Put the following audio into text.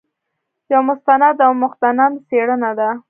یو مستند او مغتنم څېړنه ده.